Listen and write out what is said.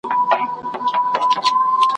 یو ځل بیا دي په پنجاب کي زلزله سي `